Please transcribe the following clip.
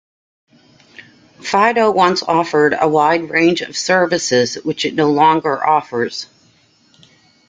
Fido once offered a wide range of services which it no longer offers.